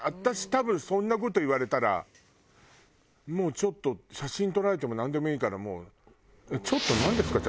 私多分そんな事言われたらもうちょっと写真撮られてもなんでもいいからもう。